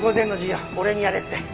俺にやれって。